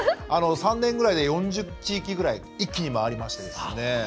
３年ぐらいで４０地域ぐらい一気に回りまして。